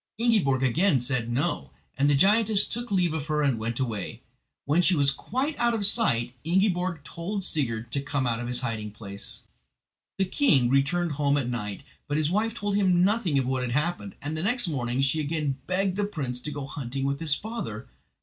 Ingiborg again said "No"; and the giantess took leave of her and went away. When she was quite out of sight Ingiborg told Sigurd to come out of his hiding place. The king returned home at night, but his wife told him nothing of what had happened, and the next morning she again begged the prince to go out hunting with his father.